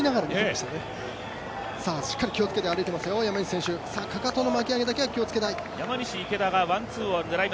しっかり気をつけて歩いていますよ、かかとの巻き上げだけは気をつけたい！